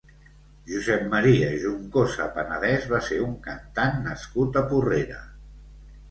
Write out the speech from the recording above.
Josep Maria Juncosa Panadés va ser un cantant nascut a Porrera.